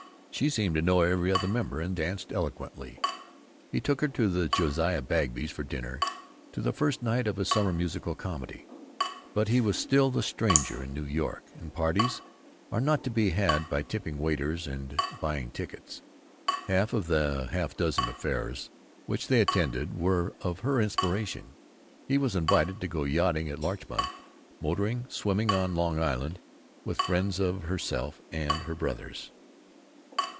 She seemed to know every other member, and danced eloquently. He took her to the Josiah Bagbys' for dinner; to the first night of a summer musical comedy. But he was still the stranger in New York, and "parties" are not to be had by tipping waiters and buying tickets. Half of the half dozen affairs which they attended were of her inspiration; he was invited to go yachting at Larchmont, motoring, swimming on Long Island, with friends of herself and her brothers.